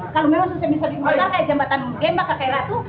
kalau memang bisa dikembangkan kayak jembatan gembak atau kayak ratu